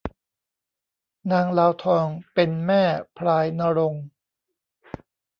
นางลาวทองเป็นแม่พลายณรงค์